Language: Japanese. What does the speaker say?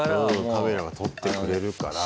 カメラが撮ってくれるから。